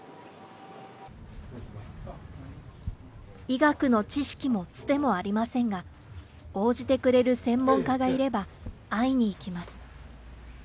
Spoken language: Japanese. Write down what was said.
医学の知識もつてもありませんが、応じてくれる専門家がいれば、会いに行きます。